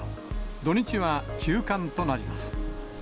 土日は休館となります。